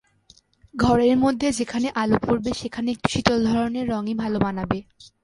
ঘরের মধ্যে যেখানে আলো পড়বে, সেখানে একটু শীতল ধরনের রংই ভালো মানাবে।